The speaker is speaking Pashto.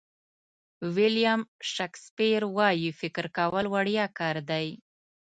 ویلیام شکسپیر وایي فکر کول وړیا کار دی.